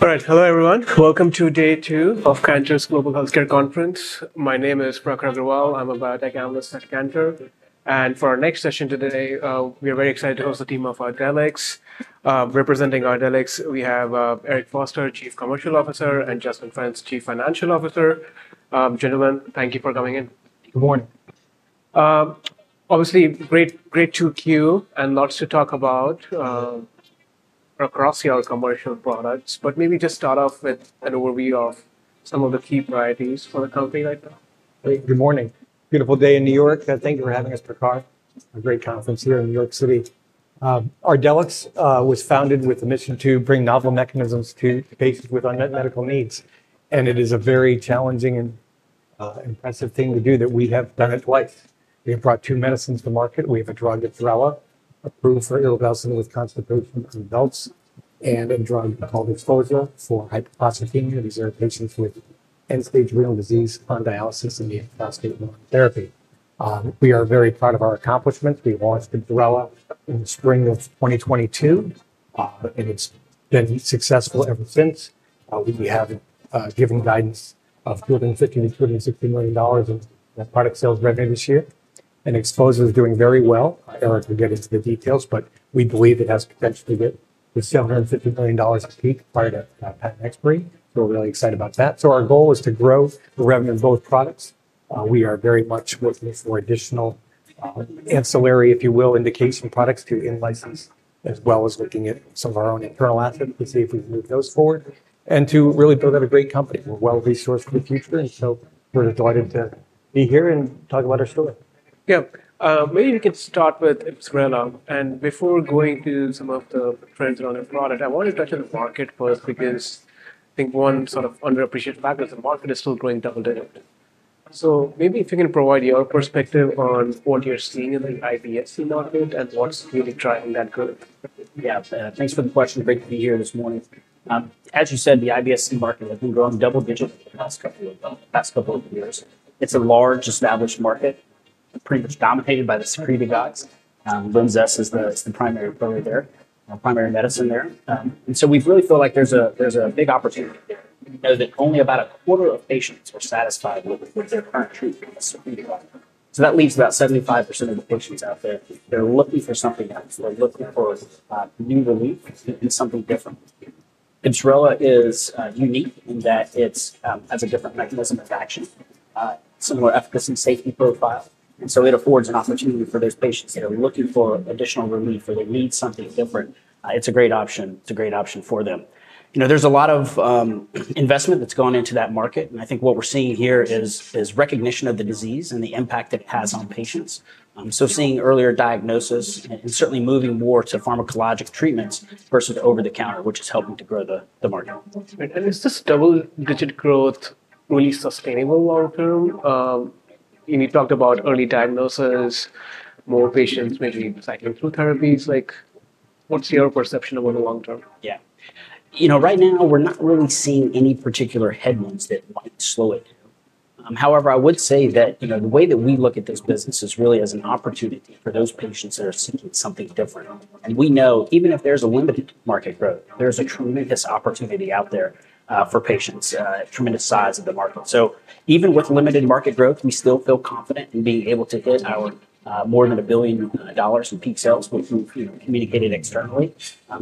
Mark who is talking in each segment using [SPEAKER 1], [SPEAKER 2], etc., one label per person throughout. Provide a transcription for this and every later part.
[SPEAKER 1] ... All right. Hello, everyone. Welcome to day two of Cantor's Global Healthcare Conference. My name is Prakhar Agrawal. I'm a biotech analyst at Cantor, and for our next session today, we are very excited to host the team of Ardelyx. Representing Ardelyx, we have, Eric Foster, Chief Commercial Officer, and Justin Renz, Chief Financial Officer. Gentlemen, thank you for coming in.
[SPEAKER 2] Good morning.
[SPEAKER 1] Obviously, great, great 2Q, and lots to talk about across your commercial products, but maybe just start off with an overview of some of the key priorities for the company right now.
[SPEAKER 2] Good morning. Beautiful day in New York, and thank you for having us, Prakhar. A great conference here in New York City. Ardelyx was founded with a mission to bring novel mechanisms to patients with unmet medical needs, and it is a very challenging and impressive thing to do that we have done it twice. We have brought two medicines to market. We have a drug, IBSRELA, approved for irritable bowel syndrome with constipation in adults, and a drug called XPHOZAH for hyperphosphatemia. These are patients with end-stage renal disease on dialysis and need phosphate monotherapy. We are very proud of our accomplishments. We launched IBSRELA in the spring of 2022, and it's been successful ever since. We have given guidance of $2.05 billion-$2.06 billion in net product sales revenue this year, and XPHOZAH is doing very well. Eric will get into the details, but we believe it has potential to get to $750 million at peak prior to patent expiry. We're really excited about that, so our goal is to grow the revenue of both products. We are very much working for additional ancillary, if you will, indication products to in-license, as well as looking at some of our own internal assets to see if we can move those forward, and to really build out a great company. We're well-resourced for the future, and so we're delighted to be here and talk about our story.
[SPEAKER 1] Yeah. Maybe we can start with IBSRELA, and before going to some of the trends around the product, I want to touch on the market first, because I think one sort of underappreciated factor is the market is still growing today. So maybe if you can provide your perspective on what you're seeing in the IBS-C market and what's really driving that growth.
[SPEAKER 3] Yeah. Thanks for the question. Great to be here this morning. As you said, the IBS-C market has been growing double digits for the past couple of years. It's a large, established market, pretty much dominated by the secretagogues. Linzess is the primary player there, primary medicine there. And so we really feel like there's a big opportunity there. We know that only about a quarter of patients are satisfied with their current treatment. So that leaves about 75% of the patients out there that are looking for something else. They're looking for new relief and something different. IBSRELA is unique in that it has a different mechanism of action, similar efficacy and safety profile. And so it affords an opportunity for those patients that are looking for additional relief, or they need something different. It's a great option. It's a great option for them. You know, there's a lot of investment that's gone into that market, and I think what we're seeing here is recognition of the disease and the impact it has on patients. So seeing earlier diagnosis and certainly moving more to pharmacologic treatments versus over-the-counter, which is helping to grow the market.
[SPEAKER 1] And is this double-digit growth really sustainable long term? And you talked about early diagnosis, more patients maybe cycling through therapies. Like, what's your perception over the long term?
[SPEAKER 3] Yeah. You know, right now, we're not really seeing any particular headwinds that might slow it down. However, I would say that, you know, the way that we look at this business is really as an opportunity for those patients that are seeking something different. And we know, even if there's a limited market growth, there's a tremendous opportunity out there for patients, tremendous size of the market. So even with limited market growth, we still feel confident in being able to hit our more than $1 billion in peak sales, which we've communicated externally.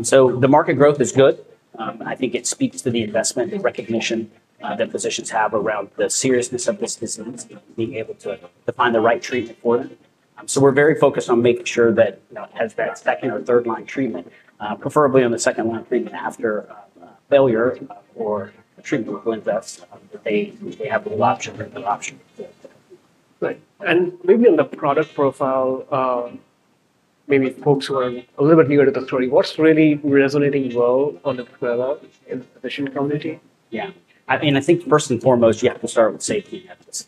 [SPEAKER 3] So the market growth is good. I think it speaks to the investment and recognition that physicians have around the seriousness of this disease, being able to find the right treatment for them. So we're very focused on making sure that, you know, as that second or third-line treatment, preferably on the second-line treatment after failure or treatment with Linzess, that they have an option, a good option.
[SPEAKER 1] Right. And maybe on the product profile, maybe folks who are a little bit newer to the story, what's really resonating well on IBSRELA in the patient community?
[SPEAKER 3] Yeah. I mean, I think first and foremost, you have to start with safety and efficacy.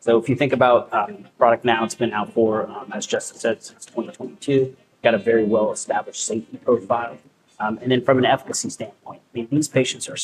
[SPEAKER 3] So if you think about the product now, it's been out for, as Justin said, since 2022. Got a very well-established safety profile. And then from an efficacy standpoint, I mean, these patients are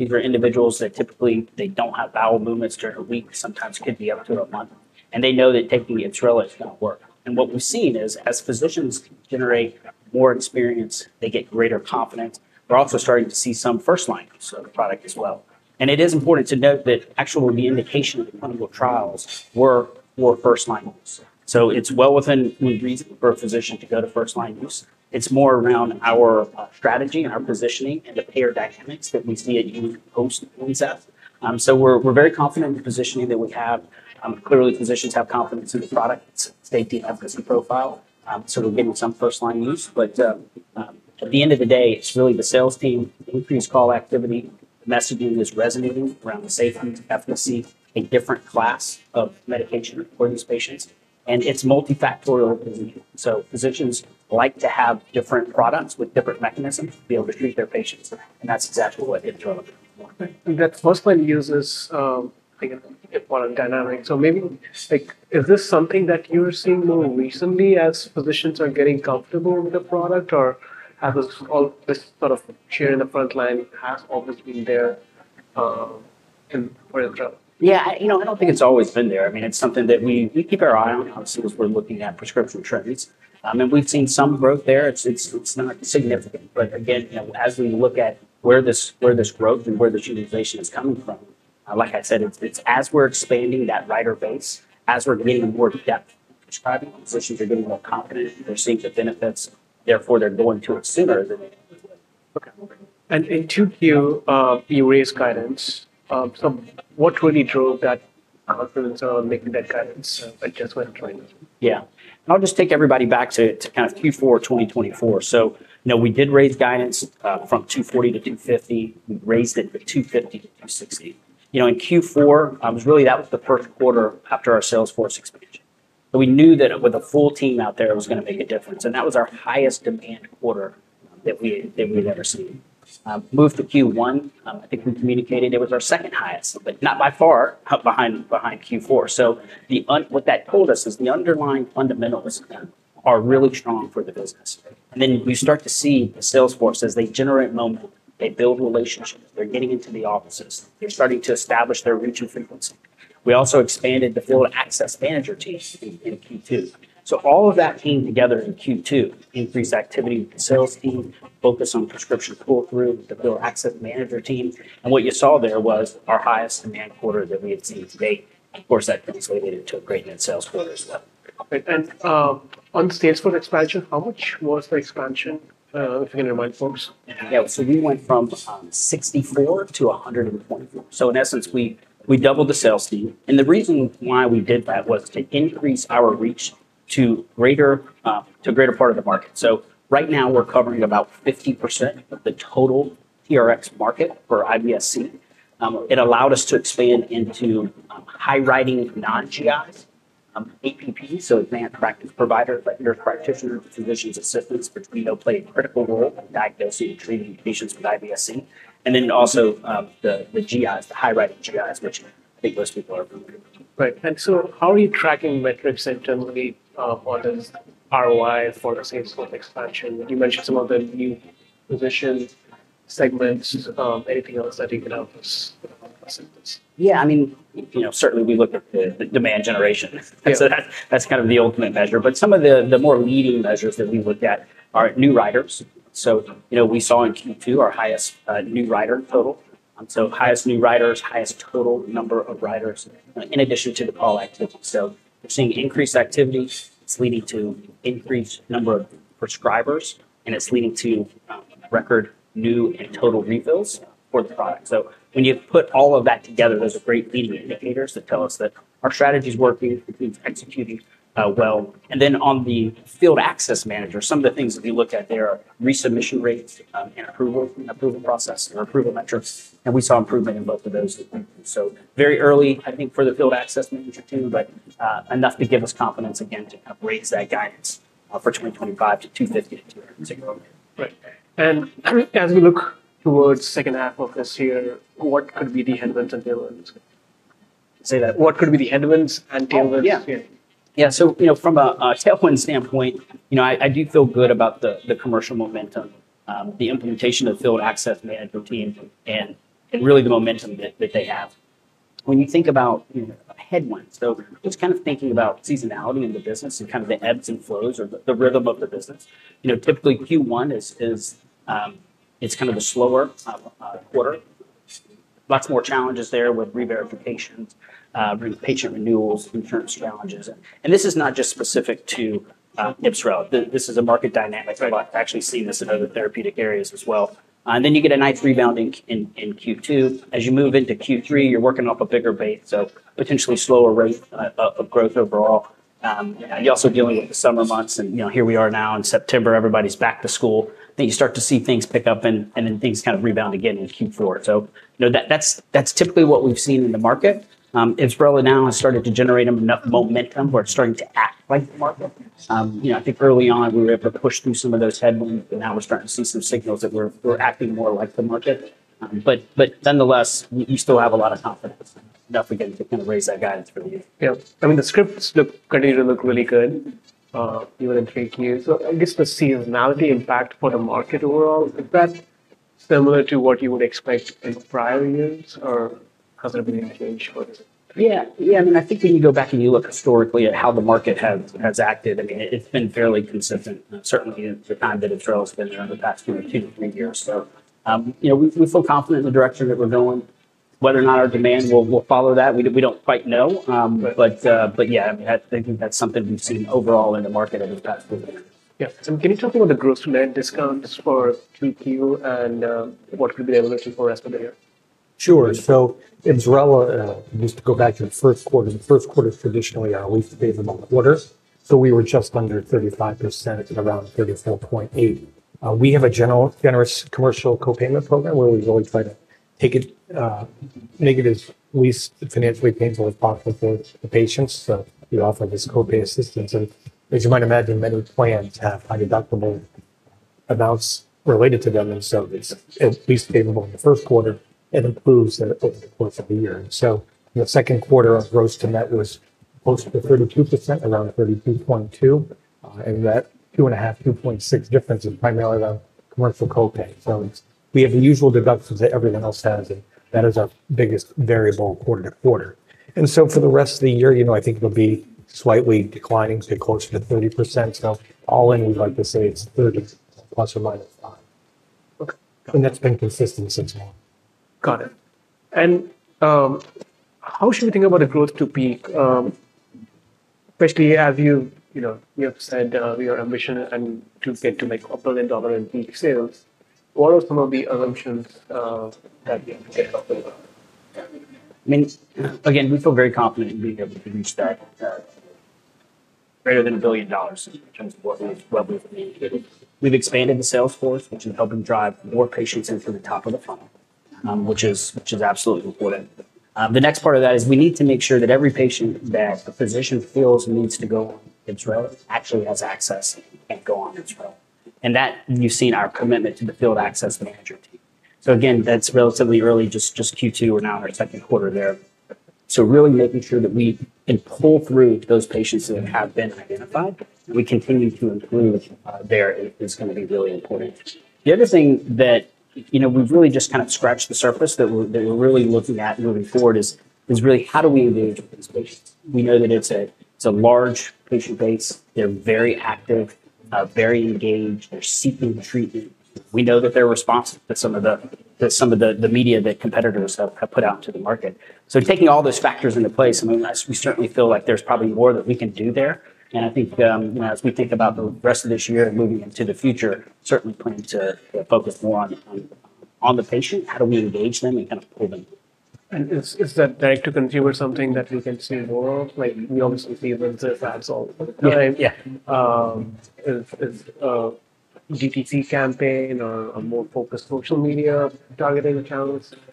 [SPEAKER 3] sick. These are individuals that typically, they don't have bowel movements during a week, sometimes could be up to a month, and they know that taking IBSRELA, it's gonna work. And what we've seen is, as physicians generate more experience, they get greater confidence. We're also starting to see some first-line use of the product as well. And it is important to note that actually, the indication of the clinical trials were more first-line use. So it's well within reason for a physician to go to first-line use. It's more around our strategy and our positioning and the payer dynamics that we see in a unique post-Linzess. So we're very confident in the positioning that we have. Clearly, physicians have confidence in the product, its safety and efficacy profile. So we're getting some first-line use, but at the end of the day, it's really the sales team, increased call activity. Messaging is resonating around the safety, efficacy, a different class of medication for these patients, and it's multifactorial. So physicians like to have different products with different mechanisms to be able to treat their patients, and that's exactly what IBSRELA is.
[SPEAKER 1] That first-line use is, I think, an important dynamic. So maybe, like, is this something that you're seeing more recently as physicians are getting comfortable with the product, or has this all, this sort of share in the front line has always been there... And where the trouble?
[SPEAKER 3] Yeah, you know, I don't think it's always been there. I mean, it's something that we, we keep our eye on, obviously, as we're looking at prescription trends. And we've seen some growth there. It's not significant, but again, you know, as we look at where this growth and where this utilization is coming from, like I said, it's as we're expanding that prescriber base, as we're getting more depth, prescribing physicians are getting more confident, they're seeing the benefits, therefore, they're going to it sooner than-
[SPEAKER 1] Okay. And in Q2, you raised guidance. So what really drove that confidence on making that guidance, but just went right?
[SPEAKER 3] Yeah. I'll just take everybody back to kind of Q4 2024. So you know, we did raise guidance from $240-$250. We raised it from $250-$260. You know, in Q4, really, that was the first quarter after our sales force expansion. So we knew that with a full team out there, it was gonna make a difference, and that was our highest demand quarter that we'd ever seen. Move to Q1. I think we communicated it was our second highest, but not by far behind Q4. So what that told us is the underlying fundamentals are really strong for the business, and then we start to see the sales force as they generate momentum, they build relationships, they're getting into the offices, they're starting to establish their reach and frequency. We also expanded the field access manager team in Q2. So all of that came together in Q2: increased activity with the sales team, focus on prescription pull-through with the field access manager team, and what you saw there was our highest demand quarter that we had seen to date. Of course, that translated into a great net sales quarter as well.
[SPEAKER 1] Okay. And on the sales force expansion, how much was the expansion, if you don't mind, folks?
[SPEAKER 3] Yeah. So we went from sixty-four to a hundred and twenty-four. So in essence, we doubled the sales team, and the reason why we did that was to increase our reach to greater to a greater part of the market. So right now, we're covering about 50% of the total TRX market for IBS-C. It allowed us to expand into high prescribing non-GIs, APP, so advanced practice providers, like nurse practitioners, physician assistants, which, you know, play a critical role in diagnosing and treating patients with IBS-C. And then also the GIs, the high prescribing GIs, which I think most people are familiar with.
[SPEAKER 1] Right. And so how are you tracking metrics internally on this ROI for the sales force expansion? You mentioned some of the new position segments. Anything else that you can help us with on this?
[SPEAKER 3] Yeah, I mean, you know, certainly we look at the demand generation.
[SPEAKER 1] Yeah.
[SPEAKER 3] And so that, that's kind of the ultimate measure. But some of the more leading measures that we look at are new writers. So, you know, we saw in Q2, our highest new rider total. So highest new writers, highest total number of writers, in addition to the call activity. So we're seeing increased activity. It's leading to increased number of prescribers, and it's leading to record new and total refills for the product. So when you put all of that together, those are great leading indicators that tell us that our strategy is working, the team's executing well. And then on the field access manager, some of the things that we look at there are resubmission rates, and approval process or approval metrics, and we saw improvement in both of those.
[SPEAKER 1] Mm.
[SPEAKER 3] Very early, I think, for the field access manager too, but enough to give us confidence again to kind of raise that guidance for 2025 to $250-$200.
[SPEAKER 1] Right. And as we look towards second half of this year, what could be the headwinds and tailwinds? Say that, what could be the headwinds and tailwinds?
[SPEAKER 3] Oh, yeah.
[SPEAKER 1] Yeah.
[SPEAKER 3] Yeah, so, you know, from a tailwind standpoint, you know, I do feel good about the commercial momentum, the implementation of the field access management team, and really the momentum that they have. When you think about, you know, headwinds, so just kind of thinking about seasonality in the business and kind of the ebbs and flows or the rhythm of the business, you know, typically, Q1 it's kind of the slower quarter. Lots more challenges there with reverifications, patient renewals, insurance challenges. And this is not just specific to IBSRELA. This is a market dynamic-
[SPEAKER 1] Right...
[SPEAKER 3] I've actually seen this in other therapeutic areas as well, and then you get a nice rebounding in Q2. As you move into Q3, you're working off a bigger base, so potentially slower rate of growth overall. You're also dealing with the summer months, and, you know, here we are now in September, everybody's back to school, then you start to see things pick up, and then things kind of rebound again in Q4, so you know, that's typically what we've seen in the market. IBSRELA now has started to generate enough momentum where it's starting to act like the market. You know, I think early on, we were able to push through some of those headwinds, but now we're starting to see some signals that we're acting more like the market. But nonetheless, we still have a lot of confidence, enough again, to kind of raise that guidance for the year.
[SPEAKER 1] Yeah. I mean, the scripts continue to look really good, even in 3Q. So I guess the seasonality impact for the market overall is that similar to what you would expect in prior years or has it been changed for this?
[SPEAKER 3] Yeah. Yeah, I mean, I think when you go back and you look historically at how the market has acted, I mean, it, it's been fairly consistent, certainly in the time that IBSRELA has been there over the past two to three years. So, you know, we feel confident in the direction that we're going. Whether or not our demand will follow that, we don't quite know.
[SPEAKER 1] Right...
[SPEAKER 3] but, but yeah, I mean, that's, I think that's something we've seen overall in the market over the past few years.
[SPEAKER 1] Yeah. So can you talk about the gross-to-net discounts for Q2, and what could be able to for rest of the year?
[SPEAKER 2] Sure, so IBSRELA, just to go back to the first quarter, the first quarter is traditionally our least favorable quarter, so we were just under 35%, at around 34.8%. We have a general generous commercial co-payment program where we always try to take it, make it as least financially painful as possible for the patients. So we offer this co-pay assistance, and as you might imagine, many plans have high deductible amounts related to them, and so it's least favorable in the first quarter and improves over the course of the year. The second quarter of gross to net was close to 32%, around 32.2%, and that 2.5, 2.6 difference is primarily the commercial co-pay. So we have the usual deductions that everyone else has, and that is our biggest variable quarter to quarter. And so for the rest of the year, you know, I think it'll be slightly declining to closer to 30%. So all in, we'd like to say it's 30%, ±5%.
[SPEAKER 1] Okay.
[SPEAKER 2] That's been consistent since launch.
[SPEAKER 1] Got it. And, how should we think about the growth to peak? Especially as you, you know, you have said, your ambition and to get to, like, a $1 billion in peak sales, what are some of the assumptions that you have talked about?
[SPEAKER 3] I mean, again, we feel very confident in being able to reach that greater than $1 billion in terms of what we've expanded the sales force, which is helping drive more patients in through the top of the funnel, which is absolutely important. The next part of that is we need to make sure that every patient that a physician feels needs to go on IBSRELA actually has access and go on IBSRELA, and that you've seen our commitment to the field access manager team. Again, that's relatively early, just Q2, we're now in our second quarter there. Really making sure that we can pull through those patients that have been identified, and we continue to improve, there is gonna be really important. The other thing that, you know, we've really just kind of scratched the surface, that we're really looking at moving forward is really how do we engage with these patients? We know that it's a large patient base. They're very active, very engaged. They're seeking treatment. We know that they're responsive to some of the media that competitors have put out to the market. So taking all those factors into place, I mean, we certainly feel like there's probably more that we can do there. And I think, you know, as we think about the rest of this year and moving into the future, certainly planning to focus more on the patient, how do we engage them and kind of pull them?
[SPEAKER 1] Is that direct-to-consumer something that we can see more of? Like, we obviously see the ads all the time.
[SPEAKER 3] Yeah, yeah.
[SPEAKER 1] Is DTC campaign or a more focused social media targeting the channels something that we could explore, like we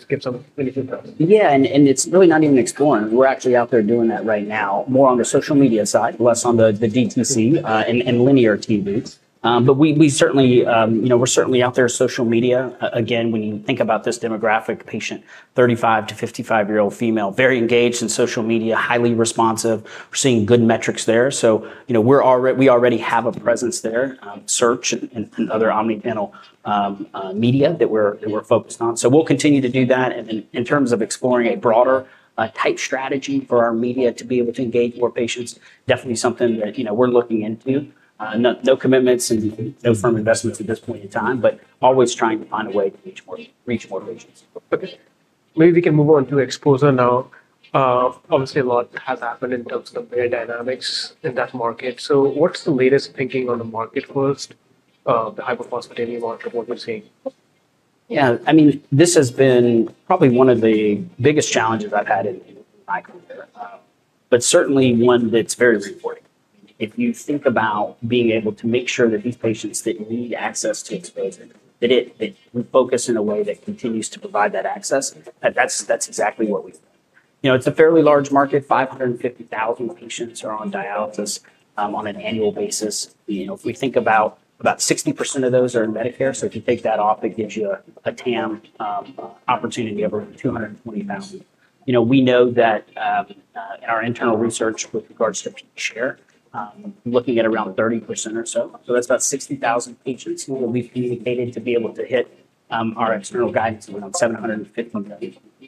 [SPEAKER 1] skip some initial steps?
[SPEAKER 3] Yeah, and it's really not even exploring. We're actually out there doing that right now, more on the social media side, less on the DTC.
[SPEAKER 1] Mm-hmm.
[SPEAKER 3] And linear TVs. But we certainly, you know, we're certainly out there. Social media, again, when you think about this demographic patient, 35-55-year-old female, very engaged in social media, highly responsive. We're seeing good metrics there. So, you know, we already have a presence there, search and other omni-channel media that we're-
[SPEAKER 1] Yeah...
[SPEAKER 3] that we're focused on. We'll continue to do that. Then in terms of exploring a broader type strategy for our media to be able to engage more patients, definitely something that, you know, we're looking into. No, no commitments and no firm investments at this point in time, but always trying to find a way to reach more, reach more patients.
[SPEAKER 1] Okay. Maybe we can move on to exposure now. Obviously, a lot has happened in terms of payer dynamics in that market. So what's the latest thinking on the market first, the hyperphosphatemia market, what you're seeing?
[SPEAKER 3] Yeah, I mean, this has been probably one of the biggest challenges I've had in my career, but certainly one that's very rewarding. If you think about being able to make sure that these patients that need access to XPHOZAH, that we focus in a way that continues to provide that access, that's exactly what we... You know, it's a fairly large market. 550,000 patients are on dialysis on an annual basis. You know, if we think about 60% of those are in Medicare. So if you take that off, it gives you a TAM opportunity of over 220,000. You know, we know that in our internal research with regards to share, looking at around 30% or so. That's about 60,000 patients who we've communicated to be able to hit our external guidance around $750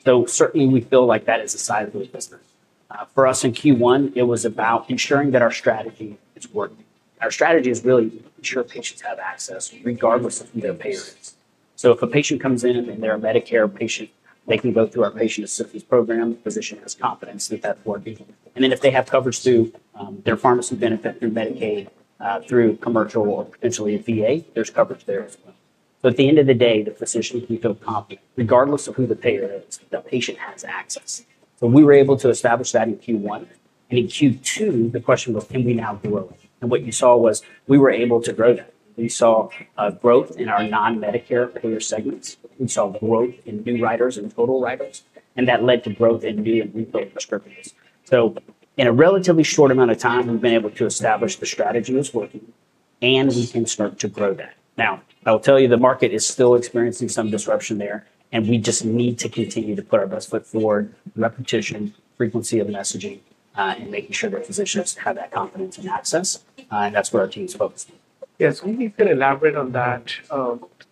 [SPEAKER 3] million. Certainly, we feel like that is a sizable business. For us in Q1, it was about ensuring that our strategy is working. Our strategy is really to ensure patients have access regardless of who the payer is. If a patient comes in and they're a Medicare patient, they can go through our patient assistance program. The physician has confidence, and then if they have coverage through their pharmacy benefit, through Medicaid, through commercial or potentially a VA, there's coverage there as well. At the end of the day, the physician can feel confident. Regardless of who the payer is, the patient has access. We were able to establish that in Q1. In Q2, the question was, "Can we now grow it?" What you saw was we were able to grow that. We saw growth in our non-Medicare payer segments. We saw growth in new writers and total writers, and that led to growth in new and refill prescriptions. In a relatively short amount of time, we've been able to establish the strategy is working, and we can start to grow that. Now, I will tell you, the market is still experiencing some disruption there, and we just need to continue to put our best foot forward, repetition, frequency of messaging, and making sure that physicians have that confidence and access, and that's where our team is focused.
[SPEAKER 1] Yes, maybe you can elaborate on that,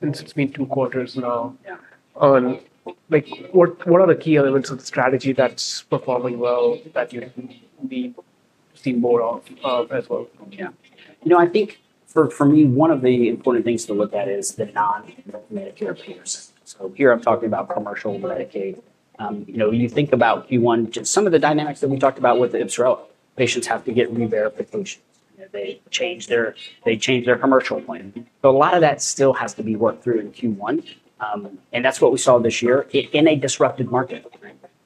[SPEAKER 1] since it's been two quarters now-
[SPEAKER 3] Yeah...
[SPEAKER 1] on, like, what, what are the key elements of the strategy that's performing well, that you'd be seeing more of, as well?
[SPEAKER 3] Yeah. You know, I think for me, one of the important things to look at is the non-Medicare payers. So here I'm talking about commercial Medicaid. You know, when you think about Q1, just some of the dynamics that we talked about with the IBSRELA, patients have to get re-verification.
[SPEAKER 2] They change their-
[SPEAKER 3] They change their commercial plan. So a lot of that still has to be worked through in Q1, and that's what we saw this year in a disrupted market.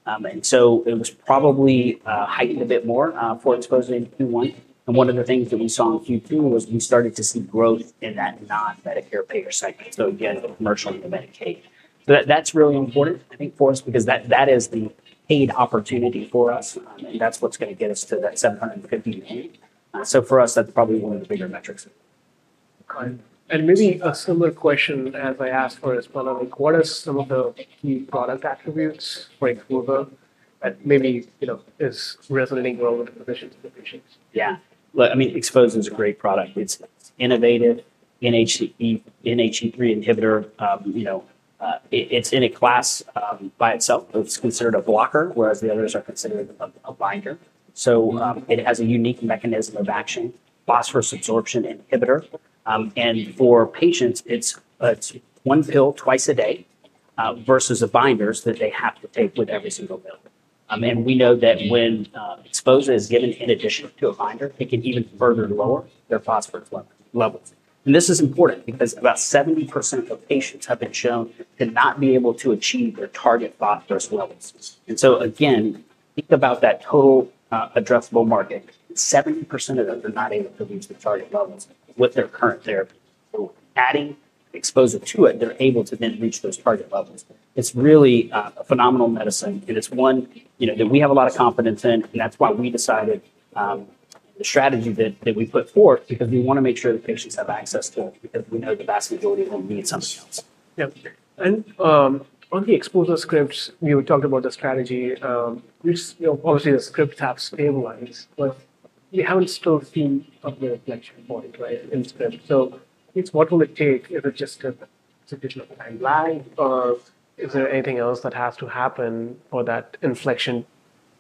[SPEAKER 3] And so it was probably heightened a bit more for exposure in Q1. And one of the things that we saw in Q2 was we started to see growth in that non-Medicare payer segment. So again, commercial and the Medicaid. So that's really important, I think, for us, because that, that is the paid opportunity for us, and that's what's gonna get us to that $750 million. So for us, that's probably one of the bigger metrics....
[SPEAKER 1] Got it. And maybe a similar question as I asked for IBSRELA, like, what are some of the key product attributes for XPHOZAH that maybe, you know, is resonating well with the physicians and the patients?
[SPEAKER 3] Yeah. Well, I mean, XPHOZAH is a great product. It's innovative, NHE3 inhibitor. You know, it, it's in a class by itself. It's considered a blocker, whereas the others are considered a binder. So, it has a unique mechanism of action, phosphorus absorption inhibitor. And for patients, it's one pill twice a day versus the binders that they have to take with every single meal. And we know that when XPHOZAH is given in addition to a binder, it can even further lower their phosphorus levels. And this is important because about 70% of patients have been shown to not be able to achieve their target phosphorus levels. And so again, think about that total addressable market. 70% of them are not able to reach the target levels with their current therapy. So adding XPHOZAH to it, they're able to then reach those target levels. It's really a phenomenal medicine, and it's one, you know, that we have a lot of confidence in, and that's why we decided. The strategy that we put forth, because we wanna make sure that patients have access to it, because we know the vast majority of them need something else.
[SPEAKER 1] Yeah. And, on the XPHOZAH scripts, you talked about the strategy. Which, you know, obviously, the script have stabilized, but we haven't still seen a clear inflection point, right, in script. So it's what will it take? Is it just a sufficient of time lag, or is there anything else that has to happen for that inflection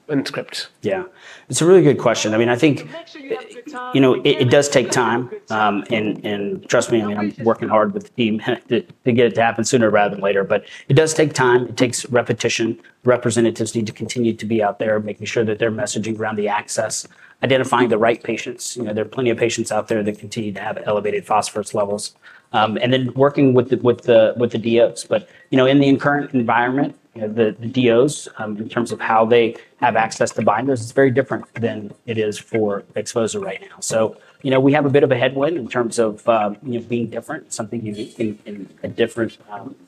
[SPEAKER 1] in script?
[SPEAKER 3] Yeah. It's a really good question. I mean, I think- Make sure you have good time-... You know, it does take time, and trust me, I mean, I'm working hard with the team to get it to happen sooner rather than later. But it does take time, it takes repetition. Representatives need to continue to be out there, making sure that they're messaging around the access, identifying the right patients. You know, there are plenty of patients out there that continue to have elevated phosphorus levels, and then working with the DOs. But you know, in the current environment, you know, the DOs in terms of how they have access to binders, it's very different than it is for XPHOZAH right now. So, you know, we have a bit of a headwind in terms of you know, being different, something unique and a different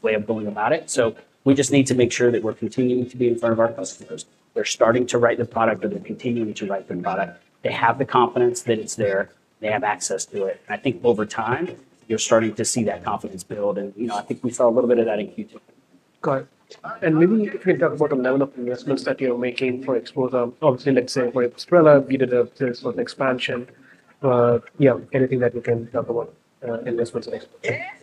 [SPEAKER 3] way of going about it. So we just need to make sure that we're continuing to be in front of our customers. They're starting to write the product, or they're continuing to write the product. They have the confidence that it's there, they have access to it. And I think over time, you're starting to see that confidence build, and, you know, I think we saw a little bit of that in Q2.
[SPEAKER 1] Got it. And maybe if we talk about the level of investments that you're making for XPHOZAH, obviously, let's say for IBSRELA, be the sort of expansion, yeah, anything that we can talk about, investments in XPHOZAH.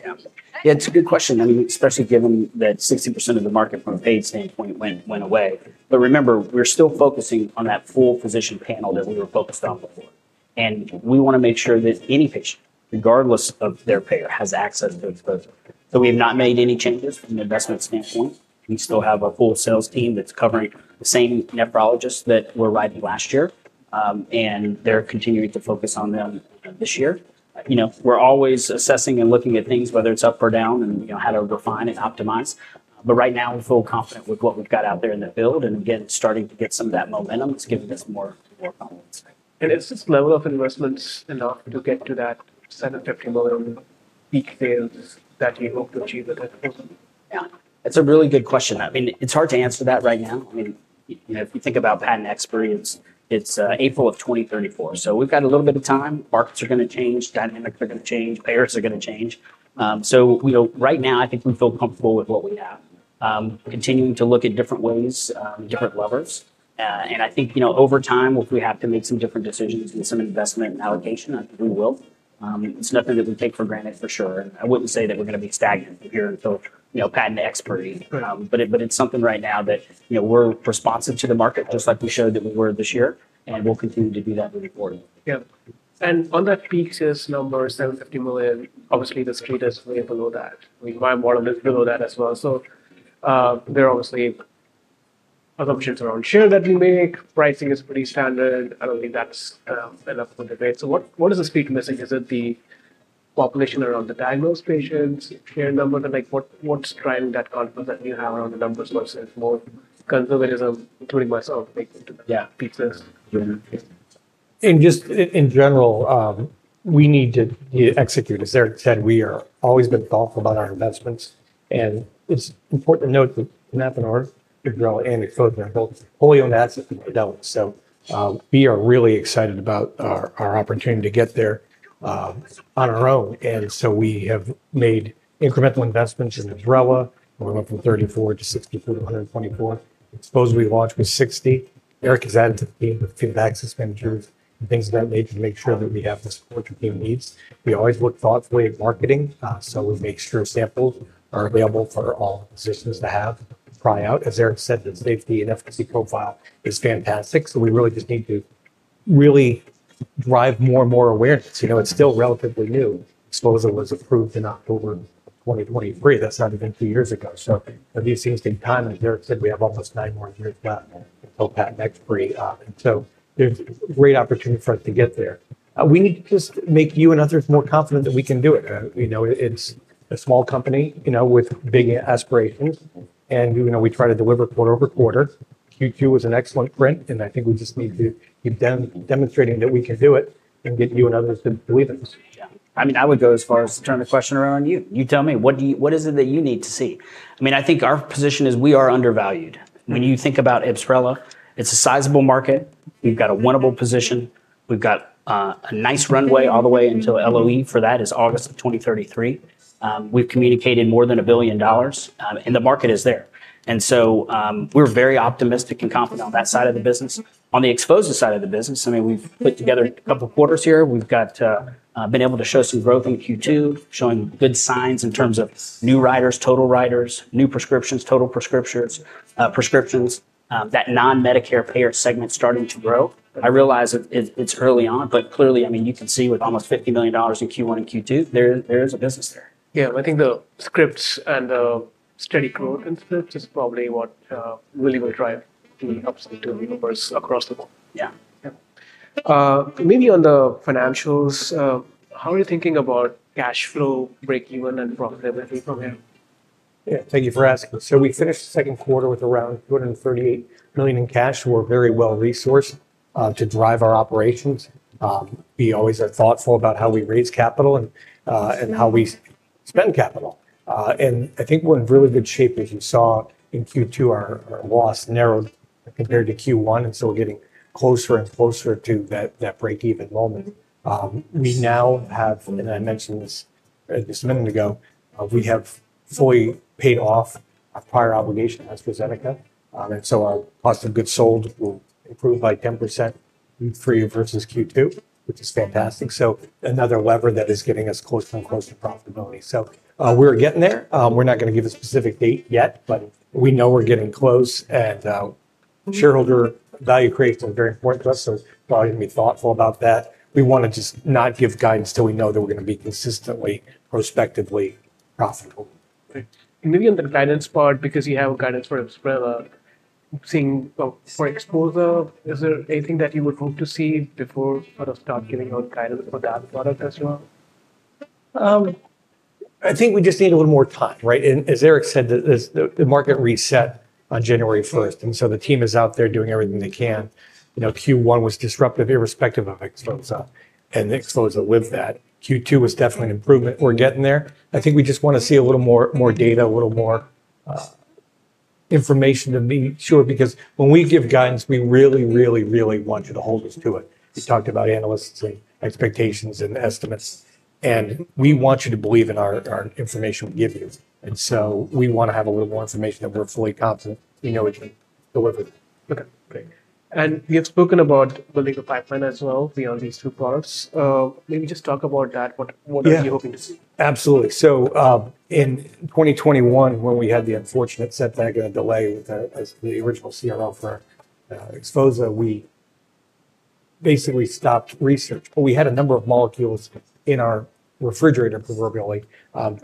[SPEAKER 3] Yeah. Yeah, it's a good question. I mean, especially given that 60% of the market from a paid standpoint went away. But remember, we're still focusing on that full physician panel that we were focused on before, and we wanna make sure that any patient, regardless of their payer, has access to XPHOZAH. So we have not made any changes from an investment standpoint. We still have a full sales team that's covering the same nephrologists that we're reaching last year, and they're continuing to focus on them this year. You know, we're always assessing and looking at things, whether it's up or down, and, you know, how to refine and optimize. But right now, we feel confident with what we've got out there in the field, and again, starting to get some of that momentum. It's giving us more confidence.
[SPEAKER 1] Is this level of investments enough to get to that $750 million peak sales that you hope to achieve with XPHOZAH?
[SPEAKER 3] Yeah, that's a really good question. I mean, it's hard to answer that right now. I mean, you know, if you think about patent expiry, it's April of twenty thirty-four. So we've got a little bit of time. Markets are gonna change, dynamics are gonna change, payers are gonna change. So we know right now, I think we feel comfortable with what we have, continuing to look at different ways, different levers. And I think, you know, over time, if we have to make some different decisions and some investment allocation, I think we will. It's nothing that we take for granted, for sure. I wouldn't say that we're gonna be stagnant here until, you know, patent expiry.
[SPEAKER 1] Right.
[SPEAKER 3] But it's something right now that, you know, we're responsive to the market, just like we showed that we were this year, and we'll continue to do that moving forward.
[SPEAKER 1] Yeah. And on that peak sales number, $750 million, obviously, the street is way below that. I mean, my model is below that as well. So, there are obviously assumptions around share that we make. Pricing is pretty standard. I don't think that's enough for debate. So what, what is the street missing? Is it the population around the diagnosed patients, share number? Like, what, what's driving that confidence that you have around the numbers versus more conservatism, including myself, making to the-
[SPEAKER 3] Yeah.
[SPEAKER 1] -peak sales?
[SPEAKER 2] Yeah. And just in general, we need to execute. As Eric said, we are always been thoughtful about our investments, and it's important to note that Tenapanor, IBSRELA, and XPHOZAH are both fully owned assets for Ardelyx. So, we are really excited about our opportunity to get there on our own. And so we have made incremental investments in IBSRELA. We went from 34 -64-124. XPHOZAH, we launched with 60. Eric has added to the team with a few access managers and things of that nature to make sure that we have the support that he needs. We always look thoughtfully at marketing, so we make sure samples are available for all physicians to have to try out. As Eric said, the safety and efficacy profile is fantastic, so we really just need to really drive more and more awareness. You know, it's still relatively new. XPHOZAH was approved in October 2023. That's not even two years ago. So there seems to be time, as Eric said, we have almost nine more years left until patent expiry, and so there's great opportunity for us to get there. We need to just make you and others more confident that we can do it. You know, it's a small company, you know, with big aspirations, and, you know, we try to deliver quarter-over-quarter. Q2 was an excellent print, and I think we just need to keep demonstrating that we can do it and get you and others to believe in us.
[SPEAKER 3] Yeah. I mean, I would go as far as turning the question around on you. You tell me, what do you—what is it that you need to see? I mean, I think our position is we are undervalued. When you think about IBSRELA, it's a sizable market. We've got a winnable position. We've got a nice runway all the way until LOE, for that is August of twenty thirty-three. We've communicated more than $1 billion, and the market is there. And so, we're very optimistic and confident on that side of the business. On the XPHOZAH side of the business, I mean, we've put together a couple of quarters here. We've got been able to show some growth in Q2, showing good signs in terms of new writers, total writers, new prescriptions, total prescriptions, that non-Medicare payer segment starting to grow. I realize it's early on, but clearly, I mean, you can see with almost $50 million in Q1 and Q2, there is a business there.
[SPEAKER 2] Yeah, I think the scripts and the steady growth in scripts is probably what really will drive the upside to revenue across the board.
[SPEAKER 3] Yeah.
[SPEAKER 1] Yeah. Maybe on the financials, how are you thinking about cash flow, break even, and profitability from here?
[SPEAKER 2] Yeah, thank you for asking. So we finished the second quarter with around $238 million in cash. We're very well-resourced to drive our operations. We always are thoughtful about how we raise capital and how we spend capital. And I think we're in really good shape, as you saw in Q2, our loss narrowed compared to Q1, and so we're getting closer and closer to that break-even moment. We now have, and I mentioned this just a minute ago, we have fully paid off our prior obligation, AstraZeneca. And so our cost of goods sold will improve by 10% Q3 versus Q2, which is fantastic. So another lever that is getting us closer and closer to profitability. So, we're getting there. We're not going to give a specific date yet, but we know we're getting close, and shareholder value creation is very important to us, so we thought to be thoughtful about that. We wanna just not give guidance till we know that we're going to be consistently, prospectively profitable.
[SPEAKER 1] Right. And maybe on the guidance part, because you have a guidance for IBSRELA, for XPHOZAH, is there anything that you would hope to see before sort of start giving out guidance for that product as well?
[SPEAKER 2] I think we just need a little more time, right? And as Eric said, the market reset on January first, and so the team is out there doing everything they can. You know, Q1 was disruptive, irrespective of exposure, and the exposure with that. Q2 was definitely an improvement. We're getting there. I think we just want to see a little more data, a little more information to be sure, because when we give guidance, we really, really, really want you to hold us to it. We talked about analysts and expectations and estimates, and we want you to believe in our information we give you. And so we want to have a little more information that we're fully confident we know we can deliver.
[SPEAKER 1] Okay, great. And we have spoken about building a pipeline as well beyond these two products. Maybe just talk about that. What-
[SPEAKER 2] Yeah.
[SPEAKER 1] What are you hoping to see?
[SPEAKER 2] Absolutely. So, in 2021, when we had the unfortunate setback and a delay with the original CRO for exposure, we basically stopped research. But we had a number of molecules in our refrigerator, proverbially,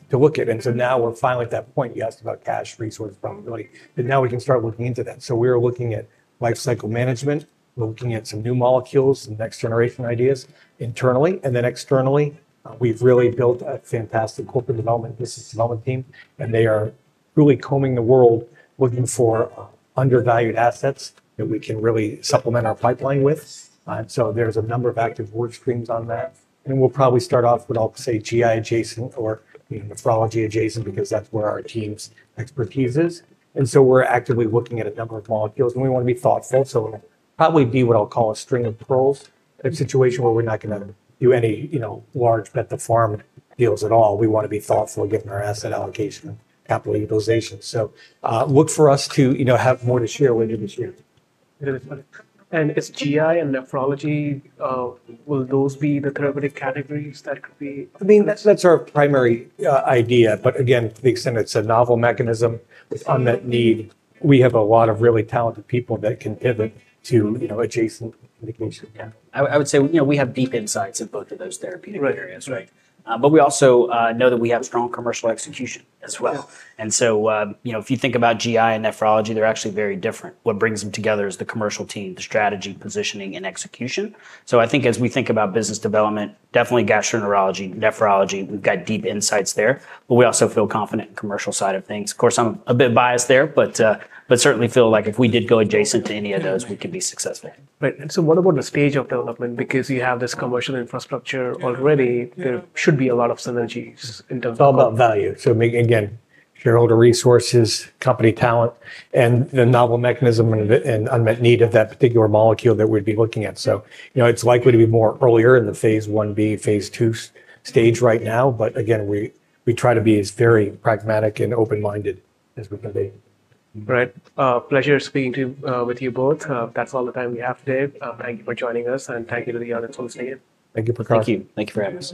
[SPEAKER 2] to look at, and so now we're finally at that point. You asked about cash resource probably, but now we can start looking into that. So we are looking at lifecycle management. We're looking at some new molecules, some next-generation ideas internally, and then externally, we've really built a fantastic corporate development, business development team, and they are really combing the world, looking for undervalued assets that we can really supplement our pipeline with. So there's a number of active work streams on that, and we'll probably start off with, I'll say, GI adjacent or, you know, nephrology adjacent, because that's where our team's expertise is. And so we're actively looking at a number of molecules, and we want to be thoughtful. So it'll probably be what I'll call a string of pearls, a situation where we're not gonna do any, you know, large bet the farm deals at all. We want to be thoughtful, given our asset allocation and capital utilization. So, look for us to, you know, have more to share later this year.
[SPEAKER 1] It is better. And is GI and nephrology, will those be the therapeutic categories that could be?
[SPEAKER 2] I mean, that's, that's our primary idea, but again, to the extent it's a novel mechanism with unmet need, we have a lot of really talented people that can pivot to, you know, adjacent indication.
[SPEAKER 3] Yeah. I would say, you know, we have deep insights in both of those therapeutic areas.
[SPEAKER 2] Right.
[SPEAKER 3] But we also know that we have strong commercial execution as well.
[SPEAKER 2] Yeah.
[SPEAKER 3] And so, you know, if you think about GI and nephrology, they're actually very different. What brings them together is the commercial team, the strategy, positioning, and execution. So I think as we think about business development, definitely gastroenterology, nephrology, we've got deep insights there, but we also feel confident in commercial side of things. Of course, I'm a bit biased there, but certainly feel like if we did go adjacent to any of those, we could be successful.
[SPEAKER 1] Right, and so what about the stage of development? Because you have this commercial infrastructure already, there should be a lot of synergies in terms of-
[SPEAKER 2] It's all about value. So again, shareholder resources, company talent, and the novel mechanism and unmet need of that particular molecule that we'd be looking at. So, you know, it's likely to be more earlier in the phase Ib, phase II stage right now, but again, we try to be as very pragmatic and open-minded as we can be.
[SPEAKER 1] Right. Pleasure speaking with you both. That's all the time we have today. Thank you for joining us, and thank you to the audience for listening in.
[SPEAKER 2] Thank you for coming.
[SPEAKER 3] Thank you. Thank you for having us.